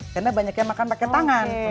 karena banyak yang makan pakai tangan